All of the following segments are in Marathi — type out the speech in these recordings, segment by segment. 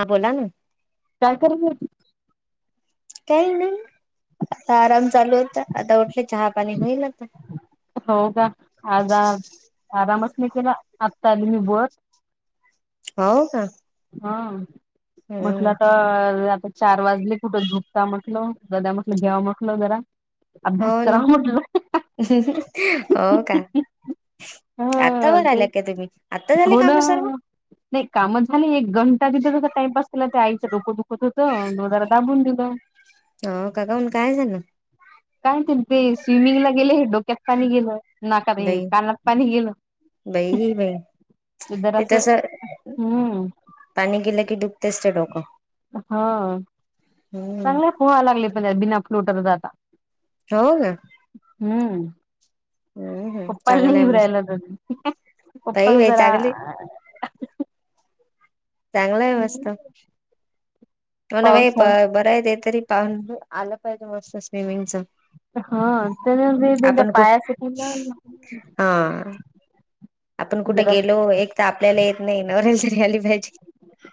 हां बोला ना. काय कर [unintelligible] काही नाई आता आराम चालू होता आता उठले चहा पाणी होईल आता हो का आज आरामच नाही केला आत्ता आली मी वर हो का? हा म्हटलं हम्म. तर आता चार वाजली कुठं झोपता म्हटलं ददा म्हटलं घ्याव म्हटलं जरा अभ्यास हो ना करावा म्हटलं. हो का. आता ह वर ते आल्या का तुम्ही आता झाले हो ना. काम सर्व नाही काम झाली एक घंटा [unintelligible] टाइमपास केला ते आईचं डोकं दुखत होतं म जरा दाबून दिलं. हो का काऊन काय झालं. काय त्यां ते स्विमिंग ला गेले डोक्यात पाणी गेलं. नाकात हे बाई कानात पाणी गेल. बाई ही बाई इधर ते असं तसं हम्म. पाणी गेलं की दुखतेस ते डोकं. हा हम्म चांगले पोहा लागले बिना फ्लोटरच आता हो का? हम्म. हम्म हम्म कपल चांगलं आहे मस्त इव्रयल कप बाई बाई जरा चांगली चांगला आहे वास्त मणा बा पावसात बरं आहे तरी पाहून आलं पाहिजे मस्त स्विमिंगच. हा त्याने ते त्यांच्या आपण कोण पायासाठी ना हा. आपण कुठे जरा गेलो एक तर आपल्याला येत नाही नवऱ्याल तरी आली पाहिजे.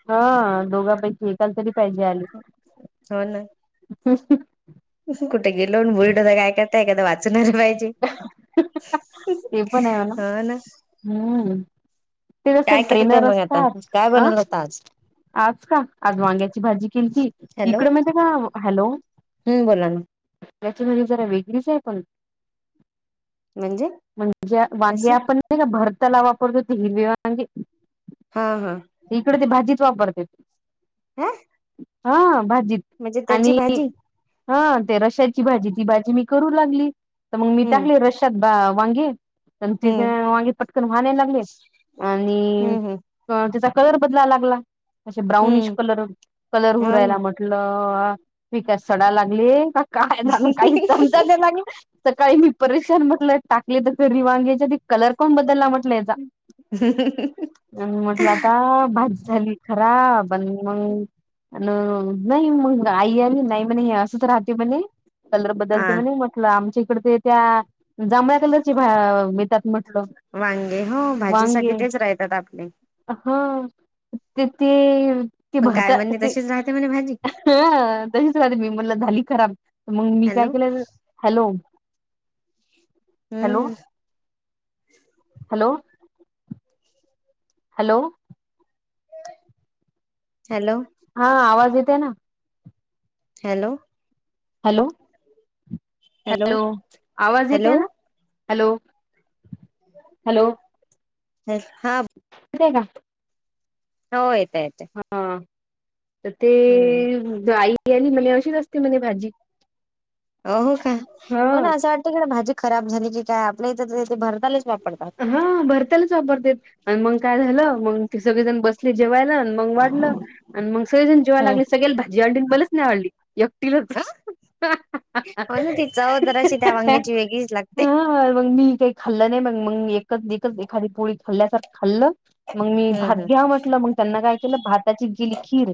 हा दोघां पैकी एकाल तरी पाहिजे आली. हो ना कुठे गेलो [unintelligible] काय करता एखादा वाचणारे पाहिजे. ते पण ये म्हना हो ना हम्. [unintelligible] सर काय करत आहे ट्रेनर मग आता असतात काय अ. बनवलं होत आज आज का आज वांग्याची भाजी केलती इकडे माहिती का हॅलो. हम् बोला ना. [unintelligible] जरा वेगळीच आहे पण म्हणजे म्हणजे वांगे कशी आपण नाई का भरताला वापरतो ते हिरवे वांगे हा हा. इकडे ते भाजीत वापरते. हं. हा भाजी आणि भाजी हा ते रशाची भाजी ती भाजी मी करू लागली तर मग मी हम्म टाकले रशद वांगे प तिथे हम्म मागे पटकन व्हाण्यायला लागले आणि हम्म हम्म त्याचा कलर बदलाला लागला असे ब्राउनिश हम्म कलर कलर हो ना हरायला म्हट. म्हटलं पिक सडा लागली का काय झालं काही समजा ते लागलं. सकाळी मी परेशान म्हटलं टाकले त रिवांगेच्या त कलर कोण बदलला म्हटलं याचा आणि म्हटल आता भाजी झाली खराब. पण मग अ नाही मग आई आली नाही म्हणे असंत राहते म्हणे. कलर बद्दल हा ते म्ह म्हटलं आमच्या इकड ते त्या जांभळ्या कलरची मिळात. वांगे हो भाजीसाठी तेच राहतात आपले. हा ते ते ते पण काय भरता म्हणणे ते तशीच राहते म्हणे भाजी ह तशीच राहते मी मला झाली खराब मग मी काय हॅलो केलं हॅलो हॅलो हम्म हॅलो हॅलो हॅलो हा आवाज येते ना हॅलो हॅलो हॅलो आवाज हॅलो येते ना हॅलो हॅलो अ हा का हो येतय येते हा तर ते आई आली म्हज अशीच असते म्हज भाजी अ हो का हो ना हा. असं वाटत का ना भाजी खराब झाली की काय आपल्या इथथे भरतालेच वापरतात हा भरता्यालाच वापरत आणि मग काय झालं मग ते सगळेजण बसले जेवायला मग वाढलं आणि मग सगळेजण जेवाय हम्म. लागले सगळ्या भाजी अंडी बलच नाही वाढली एकटिल हो ना ती चवदराची त्या वांग्याची वेगळीच लागते हा मग मी काही खाल्लं नाही मग मग एकच एकच एखादी पोळी खाल्ल्यासारखं खाल्लं मग मी हम्म भात हम्म घ्या म्हटलं मग त्यांना काय केलं भाताची गेली खीर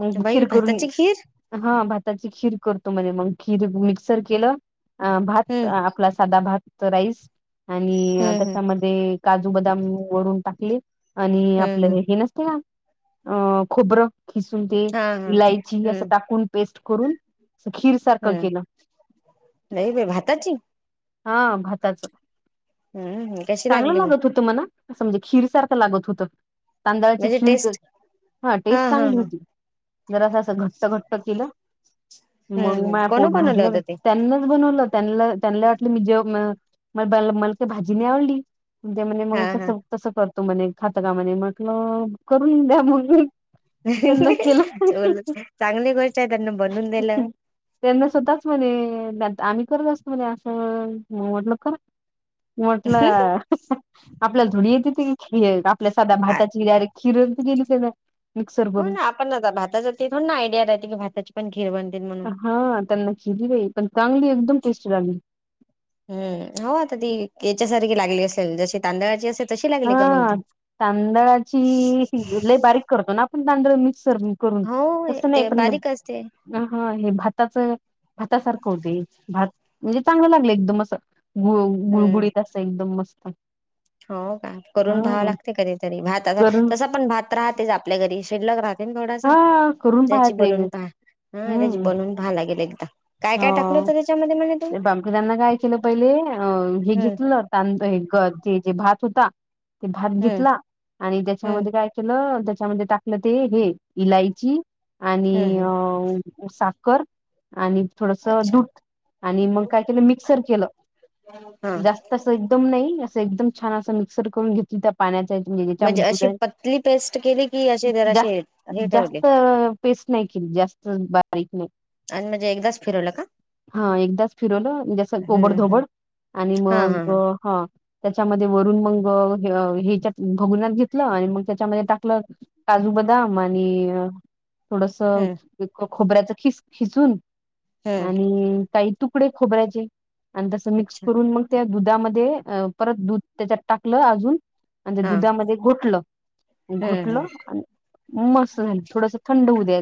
हम् बाई खिरकुर भाताची खीर हा भाताची खीर करतो म्हणे मग खीर मिक्सर केलं अ भात हम्म आपला साधा भात राईस आणि हम्म हम्म त्याच्यामध्ये काजू बदाम वरून टाकले आणि हम्म आपलं हम्म हे हे नसत ना अ खुबरं खिसून ते हा हा इलायची असं हम्म टाकून पेस्ट करून खीर सारखं हम्म केलं नाही ब भाताची हा भाताच हम्म कशी चांगलं लागली मग लागत होत मला असं म्हणजे खीर सारखं लागत होतं तांदळाची म्हणजे शिणक टेस्ट हा टेस्ट चांगली होती जर असं असं घट्ट घट्ट केलं हम्म मग हम्म. मा कोण पोत बनवलं भरलं होतं ते त्यांनाच बनवलं त्यां त्यां मी जे म मला ते भाजी नाही आवडली त्या हा मग कस हा तसं करतो म्हणे खातं का म्हणे म्हटलं करून द्या म्हग ोल चांगली गोष्ट आहे त्यांना बनवून दिलं त्यांना स्वतःच म्हणे आम्ही करत असतो म्हणे असं म्हटलं ख म्हटलं आपल्याला धुडी येत ते की खळ आपल्या साध्या आ- भाताची डायरेक्ट किरणंत गेली त्याला मिक्सर हो करून ना आपण आता भाताचा थोडं ना आयडिया राहते की भाताची पण खीर बनते म हा त्यांना खाली बाई पण चांगली एकदम टेस्टी लागली हम्म हो आता ती याच्यासारखी लागली असेल जशी तांदळाची असेल हा तांदळाचीिज ल बारीक करतो ना आपण तांदळ मिक्सर नी करून हो तस नाही ते पण हे बारीक असते हा हे भाताच भातासारखं होते भात म्हणजे चांगलं लागलं एकदम असं हम्म गुळबुडीत असं एकदम मस्त हो का करून हा भावं लागते कधीतरी भात अस करून तसा पण भात राहतेच आपल्या घरी शिल्लक राहते थोडासा हा करून त्याची पाहायचं बनून हा त्याची हम्म बनवून पहा लागेल एकदा काय हो काय टाकलं होतं त्याच्यामध्ये म्हणे ते तुम्ही? बामकीदना काय केलं पहिले अ हे हम्म घेतलं तांद हे ग ज जे भात होता ते भात हम्म घेतला आणि हम्म त्याच्यामध्ये काय लं त्याच्यामध्ये टाकलं ते हे इलायची आणि हम्म हम्म अ साखर आणि थोडस अच्छा दूध आणि मग काय केलं मिक्सर केलं हा जास्त- तसं एकदम नाही असं एकदम छान अस मिक्सर करून घेत- तिथं पाण्याचा म्हणजे त्याच्यामध्येुदर- केले की आ- जास्त जास्त पेस्ट नाही की जास्त बारीक नाही. आणि म्हणजे एकदाच फिरवलं का? हा एकदाच फिरवलं जस कोबड हम्म हम्म धोबड आणि हा हा मग हा- त्याच्यामध्ये वरून मंग ह्याच्यात भगुण्यात घेतलं आणि मग त्याच्यामध्ये टाकलं- काजू बदाम आणि थोडस हम्म खोबऱ्याच खिस खिसुन हम्म आणि काही तुकडे खोबऱ्याचे आणि तसं मिक्स अच्छा करून मग- त्या दुधामध्ये परत दूध त्याच्यात टाकलं अजून- आणि ते हा दुधामध्ये घोटलं हम्म हम्म घोटलं आणि मस्त- झा थोडस थंड होऊ द्या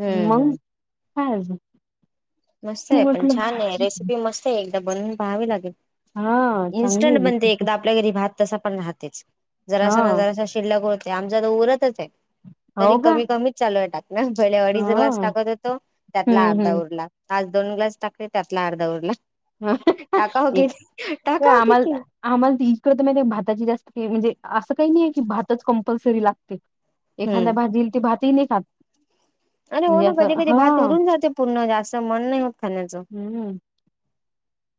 हम्म मग हम् कायच मस्त आहे पण छान आहे रेसिपी मस्त आहे एकदा बनून- पाहवी लागेल‌. हां, चांगली आहे इनस्टंट बनते रेसिपी. एकदा- आपल्या घरी भात तसा पण राहतेच हा जरासा ना जरासा शिल्लकते आमचा तर उरतच आहे. हो तरी का कमी कमीच चालू आहे टाक ना पहिले अडीच ग्लास हा. टाकत होतो त्यातला हम्म अर्धा हम्म. उरला. आज दोन ग्लास टाकले त्यातला अर्ध उरला टाका हो कि टाका हो किती? आम्हालाकड तर माहि भाताची जास्त म्हणजे असं काही नाही आहे की भातच कंपल्सरी लागते. एखाद्या हम्म भात दिल ते भातही नाही खात. अरे हो म्हणजे ना कधी असं कधी भात हा उरून जाते पूर्ण जास्त मन नाही होत खाण्याचं. हम्म.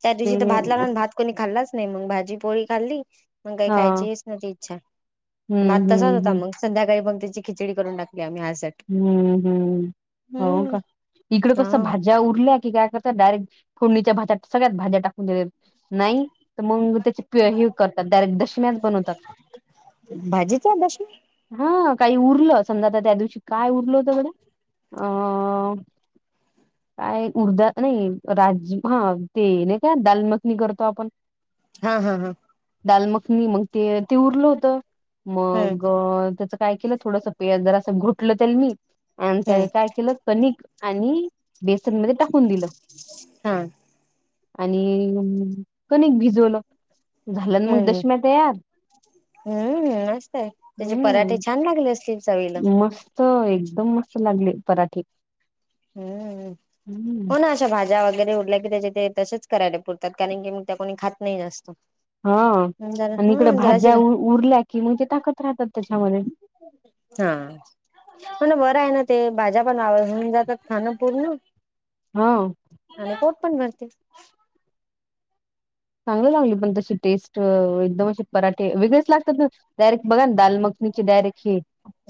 त्या ते दिवशी तर भात लावला भात कोणी खाल्लाच नाही मग भाजी पोळी खाल्ली. मग काही हा खायची हीच नव्हती इच्छा हम्म भात हम्म तसंच होता मग संध्याकाळी मग त्याची खिचडी करून टाकली आम्ही असं हम्म हम् हो का इकडं कसं हा भाज- ज्या उरल्या की काय करत डायरेक्ट फोडणीच्या भातात सगळ्यात भाज्या टाकून देतात. नाही तर मग ते- ह करतात डायरेक्ट दशम्याच बनवतात. भाजीचा दश हा काही उरलं समजा आ त्या दिवशी काय उरल होतं गाड्या अ- काय उर्धा नाही राज हा ते नाही का दालमखनी करतो आपण- [inaudible] हा हा हा दालमखनी मग ते ते उरलं होत हम्म मग त्याच- काय केलं थोडस प जरा असं घुटलं तर मी आणि त्या हम्म काय केलं कणिक आणि- बेसनमध्ये टाकून दिलं. हा आणि कणीक भिजवलं. झालं मग हम्म दशम्या तयार हम्म मसतय त्याचे पराठे हम्म छान लागले असतील चवीला. मस्त एकदम मस्त लागले पराठे. हम्म हम्म कोणाच्या भाज्या वगैरे उरल्या की त्याच्या ते तसे करायला पुरतात कारण की मग त्या कोणी खात नाही जास्त. हा जरा आणि इकडं हा जराशी भाज्या उरल्या की म्हग टाकत राहतात त्याच्यामध्ये हा म्ह ना बरं आहे ना ते भाज्या पण आवडून जातात खाणं पूर्ण हा आणि पोट पण भरते. चांगलं लागली पण तशी टेस्ट एकदम असे पराठे वेगळेच लागतात ना डायरेक्ट बघा ना दालमग- म्हणजे डायरेक्ट हे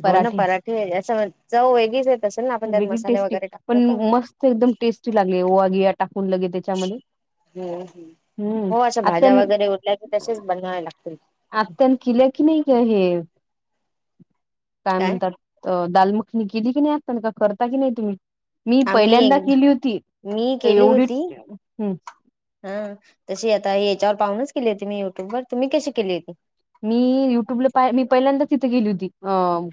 हो ना पराठे असं चव वेगळीच आहेत असेल ना आपण त्यात वेगळी मसाले टेस्टी वगैरे पण टाकतो. तर मस्त एकदम टेस्टी लागले ओवा बिया टाकून लगेच त्याच्यामध्ये हम हम्म हो अशं भाज्या आत्यान वगैरे उरल्या की तसेच बनवावे लागतं. आत्यान केल्या की नाही का हे काय म्हणतात. तर दालमखनी केली की नाही आता का करता की नाही तुम्ही? मी आम्ही पहिल्यांदा एकदा केली होती मी तर केली एवढी होती हम्म हा तशी आता याच्यावर पाहुूनच केली होती मी युट्युब वर तुम्ही कशी केली होती. मी युट्यूबला पा मी पहिल्यांदाच तिथे गेली होती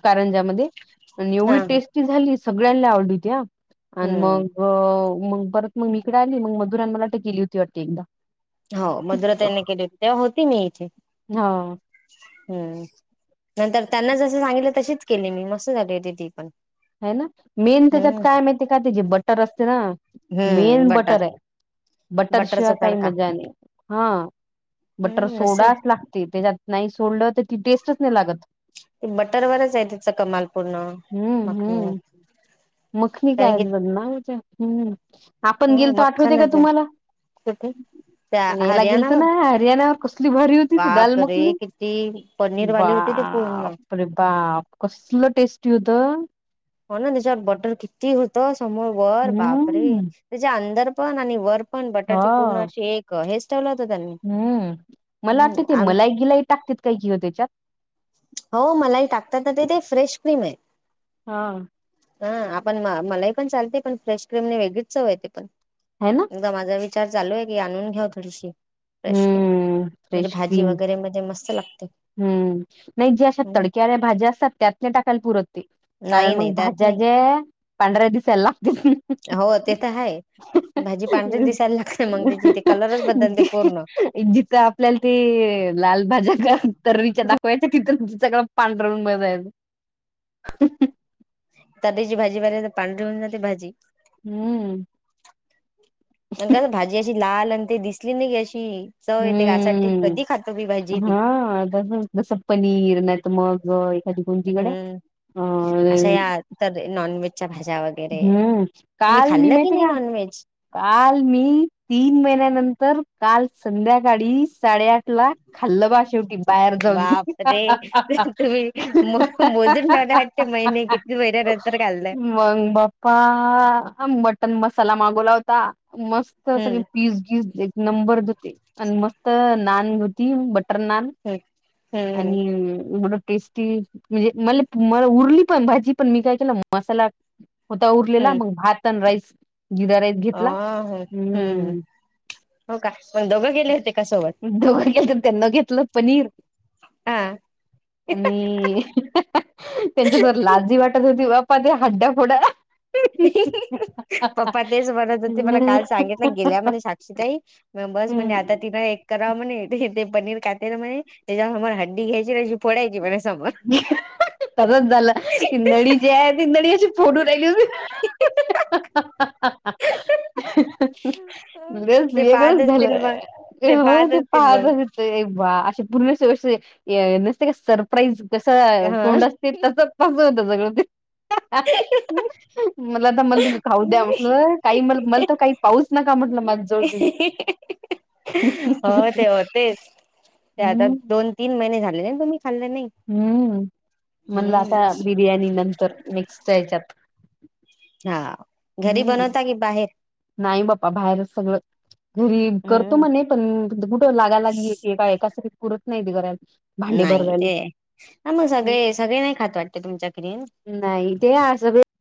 कारंजामध्येध्ये हा एवढी हा टेस्ट झाली सगळ्यांना आवडली आणि हम्म मग मग पर मग इकडे आली मग मधुराने मला दिली होती वाटतं एकदा हो मधुरा खूप ताईनी केली होती तेव्हा होती मी हा. हम्म नंतर त्यांना जस सांगितलं तशीच केली मी मस्त झाली ती पण ह ना मेन त्याच्यात हम्म काय माहिती आहे का त्याची बटर असते ना मेन बटर आहे. बटर बटरचा शिवाय काही तडका मजा नाही हां. बटर हम्म मसल सोडाच लागते त्याच्यात नाही सोडलं तर ती टेस्टच नाही लागत. ते बटरवरच आहे तिच कमाल पूर्ण हम्म मग हम्म मखनी काय बनावते हम्म. आपण हा गेलतो मखनच आहे किती? याय लागेल तर ना हरियाणावर कसली भारी होती ती दाल बाप रे मखनी किती पनीरवाली होती ती पूर्ण बापरे बाप कसलं टेस्टी होत. हो ना त्याच्यावर बॉर्डर किती होतं समोर वर बापरे हम्म त्याच्या अंदर पण आणि वर पण बटर हा चे पूर्ण शेक हेच ठेवला होत त्यांनी हम्म मला वाटत ते हम्म मलाई गिलाई टाकते काय कि हो त्याच्यात हो मलाही टाकतात ना ते ते फ्रेश क्रीम आहे. हा. हा आपण मलाही पण चालते पण फ्रेश क्रीमने वेगळीच चव येते पण है ना. एकदा माझा विचार चालू आहे की आणून घ्या थोडीशी फ्रेश क्रीम हम्म म्हणजे फ्रेश भाजी क्रीम वगैरे मध्ये मस्त लागते. हम्म. नाही जे अशा हम्म तडक्याल्या भाज्या असतात त्यात नाही टाकायला पुर ते नाही कारण नाही मग त्यात भाज्या नाही ज्या पांढर दिसायला लागतं. हो ते तर आहे भाजी पांढरीच दिसायला लागते मग त्याची ते कलरच बदलते पूर्ण एक जिथं आपल्याला ते लाल भाज्या कर तर्रीच्या दाखवायच्या तिथं सगळं पांढरून बसायचं. [unintelligible] तरीची भाजी पार पांढर होऊन जाते भाजी हम्म. नस भाजी अशी लाल आणि ते दिसली नाही गी अशी चव येते ग अशी हम्म. कधी खातो मी भाजी ती हा अ ह. जसं पनीर नत मग एखादी कोणतीकड हम्म अ. अशा या तर नॉन व्हेजच्या भाज्यावर हम्म काल मी माहिती का? नॉनव्हेज काल मी तीन महिन्यानंतर काल संध्याकाळी साडेआठ ला खाल्लं बा शेवटी बाहेर जाऊन बाप रे तुम्ही मोजून ठेवला हटते महिने किती महिन्यानंतर घाललाय. मंग बाप्पा ह बटन मसाला मागवला होता मस्त सगळे हम्म पीजी एक नंबर होते आणि मस्त नान होती बटर नान. हम्म हम्म आणिडं. टेस्टी म्हणजे म मला उरली पण भाजी पण मी काय केलं मसाला होता हम्म उरलेला हम्म मग भात आणि राईस गिरा राईस अ घेतला हम्म. हो काण दोघं गेले होते. का सोबत दोघं घेतलं त्यांना घेतलं पनीर हा. आणि त्यांच्यासोर लाजी वाटत होती बा. प ते हडा पुोडा. पप्पा तेच म्हणत होते मला काल सांगितलं गेल्या म्हणे साक्षीताई. मेंबर्स म्हणजे हम्म आता तिनं एक. करा मणे ते पनीर खाते ना मै त्याच्यामला हंडी घ्यायची फोडायची म तसच झालं तिनळी जे आहे तिनळी अशी. फोटू दे दिस. लस ते पाहत वेगळंच असतील झालं मग हो पाहत ते असतील मग पाहतच. ते वा असे पूर्ण नसते का सरप्राईज कसं हा तोंड असते. तसच पासून यत सगळं ते. मला आता मला तुम्ही खाऊ द्या म्हटलं काही म मला तर काही पाऊस नका म्हटलं माझ. हो ते होतेच ते आता हम्म दोन. तीन महिने झाले तुम्ही खल्ले नाही. हम्म म्हणलं हम्म आता बिर्याणी नंतर मेक्स्ट यायच्यात. हा घरी हम्म बनवता की बाहेर. नाही बा्पा बाहेरच सगळं. घरी करतो हम्म मग नाही पण कुठं लागायलागी एका एकासाठी कडत नाही ते घराला. नाही ते मग सगळे हम्म. सगळे नाही खात वाटते तुमच्याकरीन. नाही तेे असं बी.